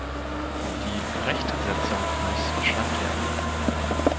Die Rechtsetzung muss verschlankt werden.